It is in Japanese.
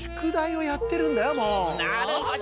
なるほど！